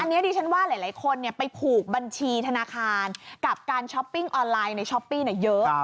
อันนี้ดิฉันว่าหลายคนไปผูกบัญชีธนาคารกับการช้อปปิ้งออนไลน์ในช้อปปี้เยอะ